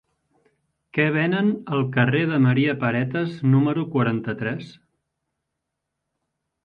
Què venen al carrer de Maria Paretas número quaranta-tres?